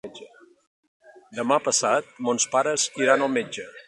Demà passat mons pares iran al metge.